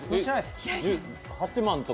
８万とか。